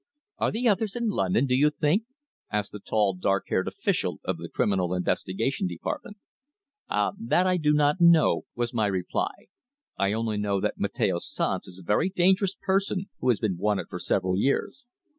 "Are the others in London, do you think?" asked the tall, dark haired official of the Criminal Investigation Department. "Ah! That I do not know," was my reply. "I only know that Mateo Sanz is a very dangerous person, who has been wanted for several years."